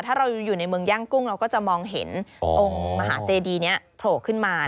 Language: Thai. ถ้าเราอยู่ในเมืองย่างกุ้งเราก็จะมองเห็นองค์มหาเจดีนี้โผล่ขึ้นมา